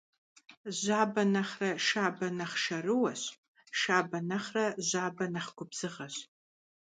Jabe nexhre şşabe nexh şşerıueş, şşabe nexhre jabe nexh gubzığeş.